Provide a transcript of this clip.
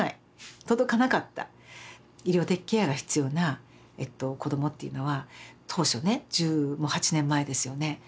医療的ケアが必要な子どもっていうのは当初ね１８年前ですよね